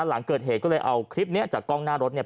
หลังเกิดเหตุก็เลยเอาคลิปนี้จากกล้องหน้ารถเนี่ย